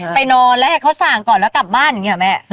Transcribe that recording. ไปนอนแล้วให้เขาสั่งก่อนแล้วกลับบ้านอย่างนี้หรอแม่